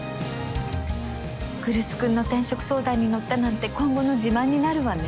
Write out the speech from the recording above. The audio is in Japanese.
来栖君の転職相談に乗ったなんて今後の自慢になるわね。